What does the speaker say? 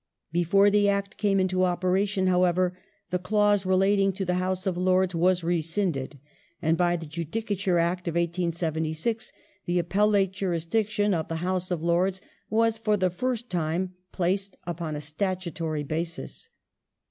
Before the Act came into operation, however, the clause relating to the House of Lords wsis rescinded, and by the Judicature Act of 1876, the Appellate Jurisdiction of the House of Lords was for the first time placed upon a statutory basis.